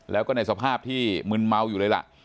แล้วก็ในสภาพที่มึนเมาอยู่เลยล่ะ